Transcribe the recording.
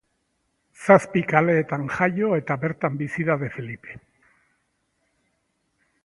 Zazpikaleetan jaio eta bertan bizi da De Felipe.